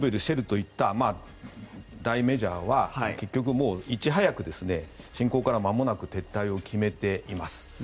シェルといった大メジャーは結局、いち早く侵攻から間もなく撤退を決めています。